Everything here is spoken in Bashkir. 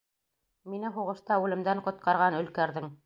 Мине һуғышта үлемдән ҡотҡарған Өлкәрҙең!